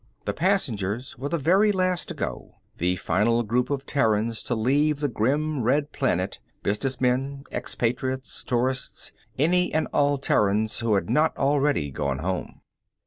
The passengers were the very last to go, the final group of Terrans to leave the grim red planet, business men, expatriates, tourists, any and all Terrans who had not already gone home.